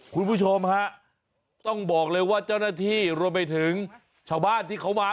คุณผู้ชมฮะต้องบอกเลยว่าเจ้าหน้าที่รวมไปถึงชาวบ้านที่เขามา